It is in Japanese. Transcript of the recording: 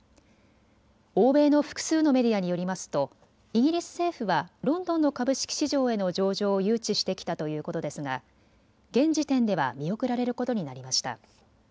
欧米の複数のメディアによりますとイギリス政府はロンドンの株式市場への上場を誘致してきたということですが現時点では見送られることになりました。